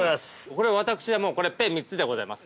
◆これは私、もう、これペ３つでございます。